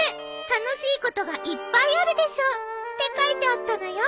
「楽しいことがいっぱいあるでしょう！！」って書いてあったのよ。